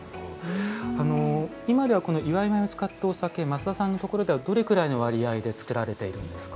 あの今では祝米を使ったお酒増田さんのところではどれくらいの割合で造られているんですか？